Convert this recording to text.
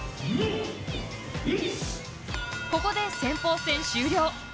ここで、先鋒戦終了。